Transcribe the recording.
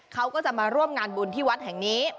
เขาก็จะมาร่วมงานบุญที่วัดแห่งนี้